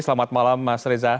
selamat malam mas reza